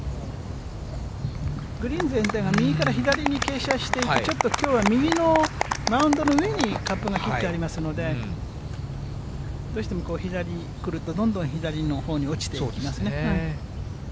グリーン全体が右から左に傾斜していて、ちょっと、きょうは右のマウンドの上にカップが切ってありますので、どうしても左にくると、どんどん左のほうに落ちていきますね。